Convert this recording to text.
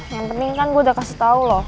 yang penting kan gue udah kasih tau loh